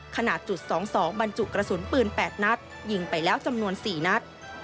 ขนาดจุด๒๒บรรจุกระสุนปืน๘นัดยิงไปแล้วจำนวน๔นัด